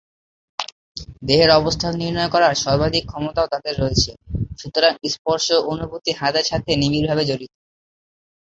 দেহের অবস্থান নির্ণয় করার সর্বাধিক ক্ষমতাও তাদের রয়েছে; সুতরাং, স্পর্শ অনুভূতি হাতের সাথে নিবিড়ভাবে জড়িত।